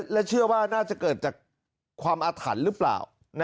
และเชื่อว่าน่าจะเกิดจากความอาถรรพ์หรือเปล่า